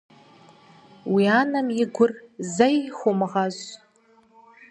Уи анэм и гур зэи хумыгъэщӏ.